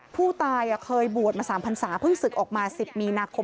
ผู้ตายเคยบวชมา๓พันศาเพิ่งศึกออกมา๑๐มีนาคม